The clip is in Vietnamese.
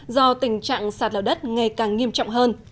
do tình trạng sạt lở đất ngày càng nghiêm trọng hơn